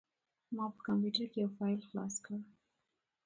ما په کمپوټر کې یو فایل خلاص کړ.